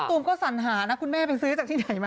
ตูมก็สัญหานะคุณแม่ไปซื้อจากที่ไหนมา